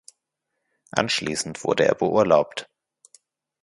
Anschließend wurde er beurlaubt.